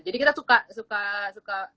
jadi kita suka suka suka